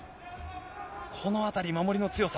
このあたり、守りの強さ。